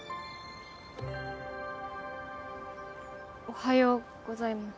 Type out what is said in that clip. おはようございます。